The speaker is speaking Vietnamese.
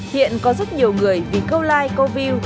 hiện có rất nhiều người vì câu like câu view